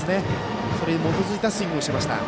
それに基づいたスイングをしました。